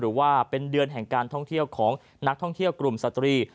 หรือว่าเป็นเดือนแห่งการท่องเที่ยวของนักท่องเที่ยวกลุ่มสตรี